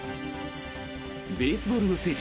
ベースボールの聖地